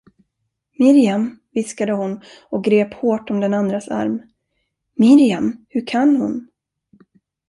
Mirjam, viskade hon och grep hårt om den andras arm, Mirjam, hur kan hon?